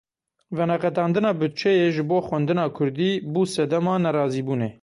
Veneqetandina budceyê ji bo xwendina kurdî bû sedema nerazîbûnê.